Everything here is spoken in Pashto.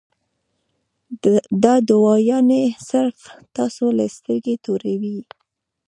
دا دوايانې صرف تاسو له سترګې توروي -